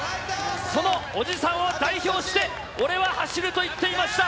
そのおじさんを代表して、俺は走ると言っていました。